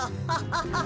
ハハハハ。